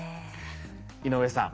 井上さん